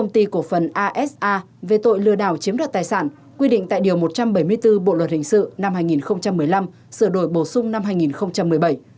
công ty cổ phần asa về tội lừa đảo chiếm đoạt tài sản quy định tại điều một trăm bảy mươi bốn bộ luật hình sự năm hai nghìn một mươi năm sửa đổi bổ sung năm hai nghìn một mươi bảy